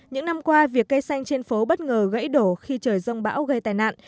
những năm qua việc cây xanh trên phố bất ngờ gãy đổ khi trời rông bão gây tai nạn